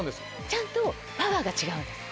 ・ちゃんとパワーが違うんです。